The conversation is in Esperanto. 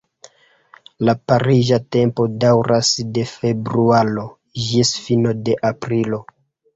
La pariĝa tempo daŭras de februaro ĝis fino de aprilo.